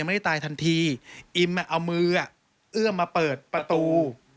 เอามือเอื้อมมาเปิดประตู